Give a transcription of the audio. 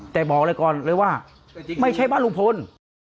แต่บอกเลยก่อนเลยว่าไม่ใช่บ้านลุงพล